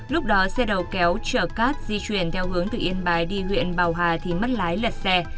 lúc đó xe đầu kéo chở cát di chuyển theo hướng từ yên bái đi huyện bào hà thì mất lái lật xe